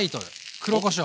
黒こしょう。